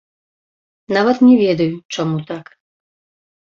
Нават не ведаю, чаму так.